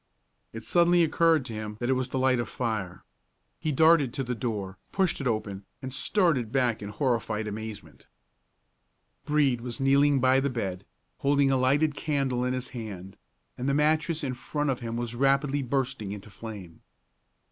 It suddenly occurred to him that it was the light of fire. He darted to the door, pushed it open, and started back in horrified amazement. Brede was kneeling by the bed, holding a lighted candle in his hand, and the mattress in front of him was rapidly bursting into flame.